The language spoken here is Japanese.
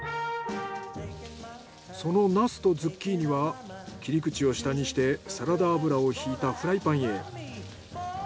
そのナスとズッキーニは切り口を下にしてサラダ油をひいたフライパンへ。